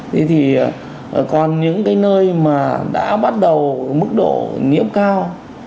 thế thì còn những cái nơi mà đã bắt đầu mức độ nhiễm cao